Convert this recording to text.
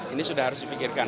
ini sudah harus dipikirkan